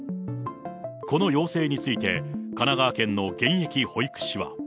この要請について、神奈川県の現役保育士は。